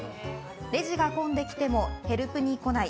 レジが混んできてもヘルプに来ない。